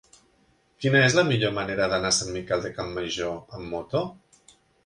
Quina és la millor manera d'anar a Sant Miquel de Campmajor amb moto?